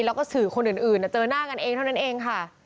แล้วก็สื่อคนอื่นเจอหน้ากันเองเท่านั้นเองค่ะ